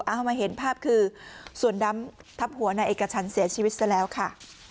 เอามาเห็นภาพคือส่วนดำทับหัวนายเอกชันเสียชีวิตซะแล้วค่ะ